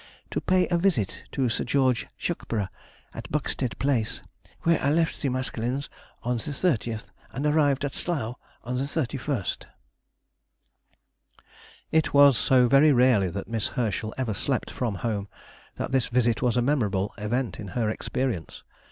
to pay a visit to Sir George Schuckburgh, at Buxted Place, where I left the Ms. on the 30th, and arrived at Slough the 31st. It was so very rarely that Miss Herschel ever slept from home, that this visit was a memorable event in her experience.